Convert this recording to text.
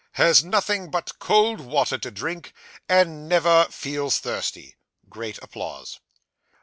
Has nothing but cold water to drink, and never feels thirsty (great applause).